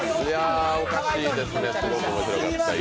おかしいですね、すごく面白かった。